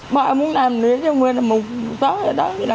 mọi người muốn làm nếu như nguyên là một tối ở đó